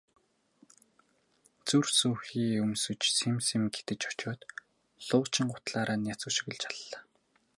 Зүр сөөхий өмсөж сэм сэм гэтэж очоод луучин гутлаараа няц өшиглөж аллаа.